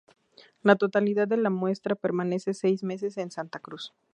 La totalidad de la muestra permanece seis meses en Santa Cruz.